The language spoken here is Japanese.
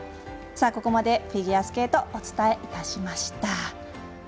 ここまでフィギュアスケートお伝えいたしました。